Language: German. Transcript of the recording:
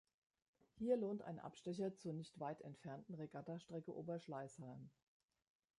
Hier lohnt ein Abstecher zur nicht weit entfernten Regattastrecke Oberschleißheim.